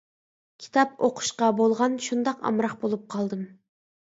كىتاب ئوقۇشقا بولغان شۇنداق ئامراق بولۇپ قالدىم.